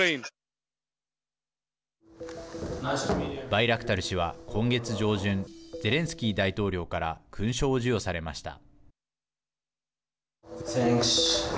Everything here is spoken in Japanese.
バイラクタル氏は今月上旬ゼレンスキー大統領から勲章を授与されました。